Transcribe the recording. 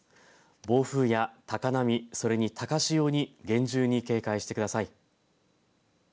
暴風や高波、それに高潮に厳重に警戒してください。